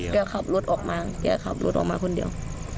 แกขับรถออกมาแกขับรถออกมาคนเดียว